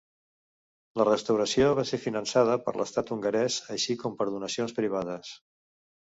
La restauració va ser finançada per l'estat hongarès, així com per donacions privades.